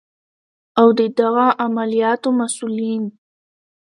او د دغه عملیاتو مسؤلین